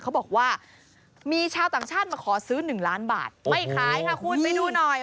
เขาบอกว่ามีชาวต่างชาติมาขอซื้อหนึ่งล้านบาทไม่ขายค่ะคุณไปดูหน่อย